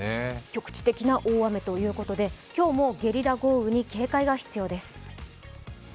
局地的な大雨ということで今日もゲリラ豪雨に警戒が必要です。